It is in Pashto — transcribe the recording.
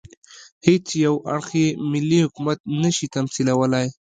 هېڅ یو اړخ یې ملي حکومت نه شي تمثیلولای.